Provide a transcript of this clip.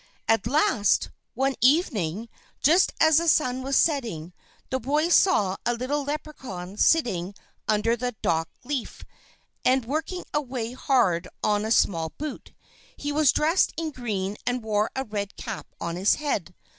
At last, one evening, just as the sun was setting, the boy saw a little Leprechaun sitting under a dock leaf, and working away hard on a small boot. He was dressed in green and wore a red cap on his head.